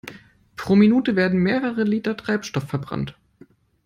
Pro Minute werden mehrere Liter Treibstoff verbrannt.